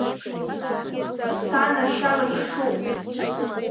Сан ашьа лыхьшуп!